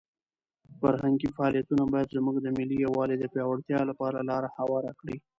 فرهنګي فعالیتونه باید زموږ د ملي یووالي د پیاوړتیا لپاره لاره هواره کړي.